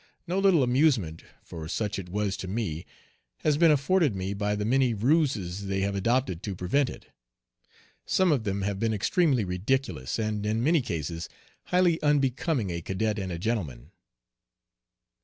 No little amusement for such it was to me has been afforded me by the many ruses they have adopted to prevent it. Some of them have been extremely ridiculous, and in many cases highly unbecoming a cadet and a gentleman.